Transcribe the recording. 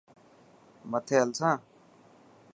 مٿي هلسان.